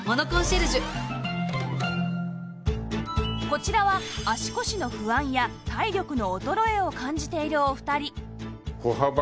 こちらは足腰の不安や体力の衰えを感じているお二人